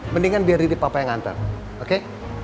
mendingan biar riri papa yang nganter oke